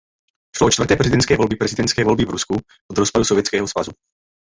Šlo o čtvrté prezidentské volby prezidentské volby v Rusku od rozpadu Sovětského svazu.